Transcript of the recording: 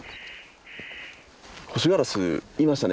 ホシガラスいましたね